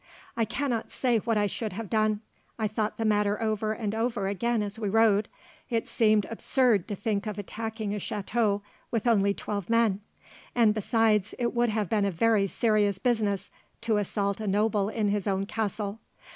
"I cannot say what I should have done. I thought the matter over and over again as we rode. It seemed absurd to think of attacking a chateau with only twelve men; and besides, it would have been a very serious business to assault a noble in his own castle.